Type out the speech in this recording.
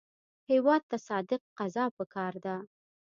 هېواد ته صادق قضا پکار ده